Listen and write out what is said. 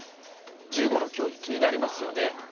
１５の競技、気になりますよね。